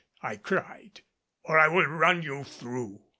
I cried, "or I will run you through!"